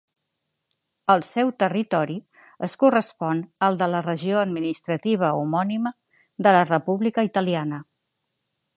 El seu territori es correspon al de la regió administrativa homònima de la República Italiana.